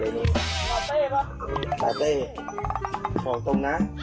ลาเต้เหรอลาเต้ของตรงนะ